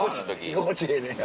居心地ええねや。